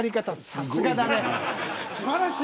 さすがだね。